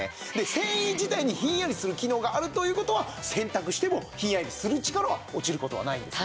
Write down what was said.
繊維自体にひんやりする機能があるという事は洗濯してもひんやりとする力は落ちる事はないんですね。